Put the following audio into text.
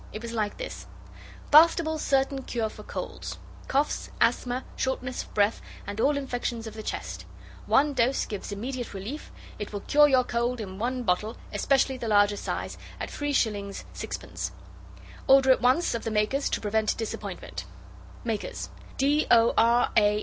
It was like this: BASTABLE'S CERTAIN CURE FOR COLDS Coughs, Asthma, Shortness of Breath, and all infections of the Chest One dose gives immediate relief It will cure your cold in one bottle Especially the larger size at 3s. 6d. Order at once of the Makers To prevent disappointment Makers: D., O., R., A.